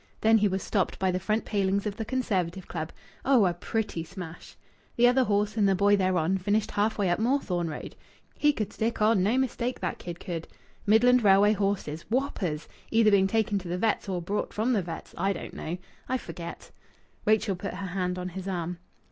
Then he was stopped by the front palings of the Conservative Club. Oh! a pretty smash! The other horse and the boy thereon finished half way up Moorthorne Road. He could stick on, no mistake, that kid could. Midland Railway horses. Whoppers. Either being taken to the vets' or brought from the vet's I don't know. I forget." Rachel put her hand on his arm.